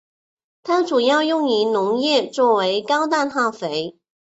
它主要用于农业作为高氮肥料。